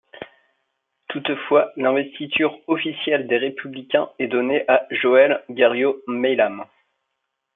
Toutefois, l'investiture officielle des Républicains est donnée à Joëlle Garriaud-Maylam.